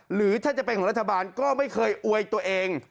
หรือถ้าจะเป็นของรัฐบาลก็ไม่เคยอวยตัวเอง